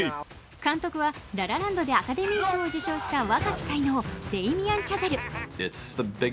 監督は「ラ・ラ・ランド」でアカデミー賞を受賞した若き才能、デイミアン・チャゼル。